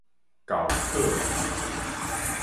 厚洘